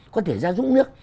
có thể ra giúp nước